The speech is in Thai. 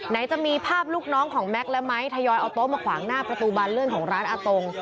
จะมีภาพลูกน้องของแม็กซ์และไม้ทยอยเอาโต๊ะมาขวางหน้าประตูบานเลื่อนของร้านอาตง